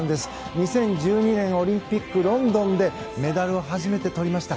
２０１２年オリンピックロンドンでメダルを初めてとりました。